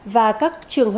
và các trường hợp